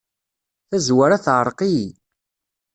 Tazwara teɛreq-iyi.